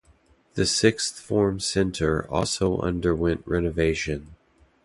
The Sixth Form Centre also underwent renovation.